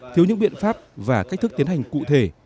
thiếu những biện pháp và cách thức tiến hành cụ thể